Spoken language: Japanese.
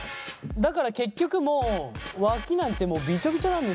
だから結局もうわきなんてもうビチョビチョなんですよ結局は。